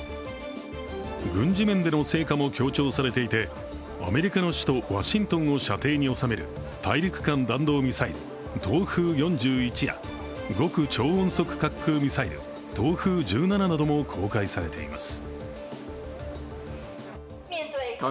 軍事面での成果も強調されていてアメリカの首都ワシントンを射程に収める大陸間弾道ミサイル、東風４１や、極超音速滑空ミサイル東風１７なども公開されています。